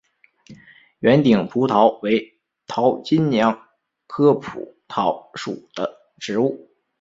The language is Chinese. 圆顶蒲桃为桃金娘科蒲桃属的植物。